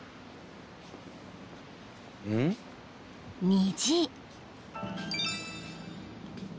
［虹］